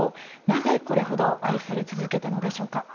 なぜこれほど愛され続けたのでしょうか。